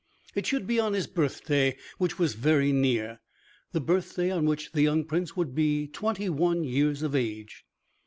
It should be on his birthday which was very near, the birthday on which the young Prince would be twenty one years of age.